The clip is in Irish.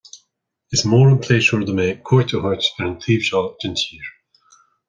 Is mór an pléisiúr dom é cuairt a thabhairt ar an taobh seo den tír